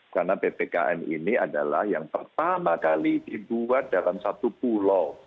karena ppkm ini adalah yang pertama kali dibuat dalam satu pulau